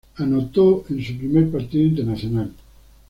Anotó contra en su primer partido internacional.